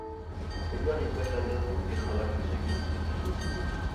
دۇنيا ھېكمەتلىرىدىن بىخەۋەر يۈرسەك غەپلەت باسىدۇ.